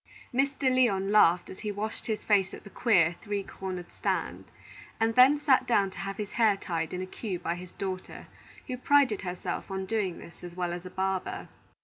Mr. Lyon laughed as he washed his face at the queer, three cornered stand, and then sat down to have his hair tied in a queue by his daughter, who prided herself on doing this as well as a barber.